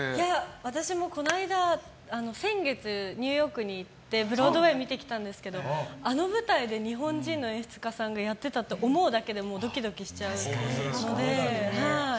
私もこの間、先月ニューヨークに行ってブロードウェー見てきたんですけどあの舞台で日本人の演出家さんがやってたと思うだけでドキドキしちゃうので。